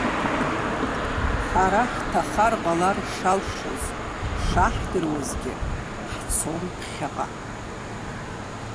Ҳара ҳҭахар ҟалар шалшоз шаҳдыруазгьы, ҳцон ԥхьаҟа.